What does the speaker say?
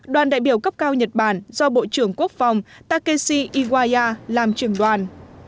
đoàn đại biểu cấp cao nhật bản do bộ trưởng quốc phòng takeshi iwaya làm trưởng đoàn